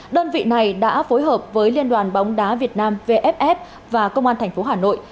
đơn vị này đã phối hợp với liên đoàn bóng đá việt nam vff và công an tp hà nội